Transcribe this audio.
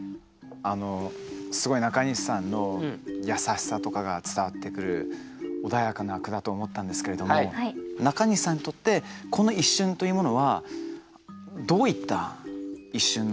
すごい中西さんの優しさとかが伝わってくる穏やかな句だと思ったんですけれども中西さんにとって聞いてみていいですか？